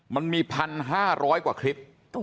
มันมี๑๕๐๐กว่าคลิป